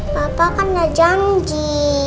papa kan gak janji